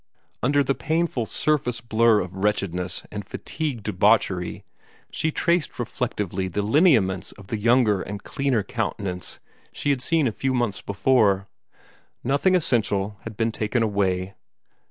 Under the painful surface blur of wretchedness and fatigued debauchery, she traced reflectively the lineaments of the younger and cleanlier countenance she had seen a few months before. Nothing essential had been taken away.